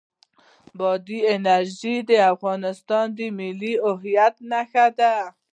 بادي انرژي د افغانستان د ملي هویت نښه ده.